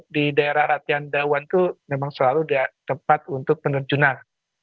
di daerah latihan dawan itu memang selalu dia tempat untuk penerjunan